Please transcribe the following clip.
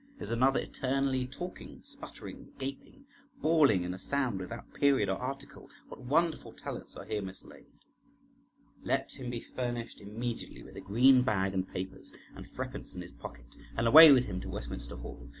Is another eternally talking, sputtering, gaping, bawling, in a sound without period or article? What wonderful talents are here mislaid! Let him be furnished immediately with a green bag and papers, and threepence in his pocket , and away with him to Westminster Hall.